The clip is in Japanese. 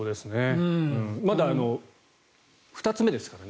まだ２つ目ですからね。